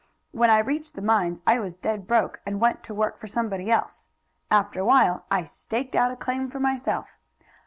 When I reached the mines I was dead broke, and went to work for somebody else. After a while I staked out a claim for myself.